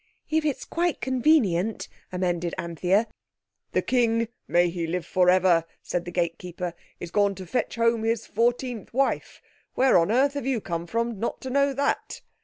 "If it's quite convenient," amended Anthea. "The King (may he live for ever!)," said the gatekeeper, "is gone to fetch home his fourteenth wife. Where on earth have you come from not to know that?"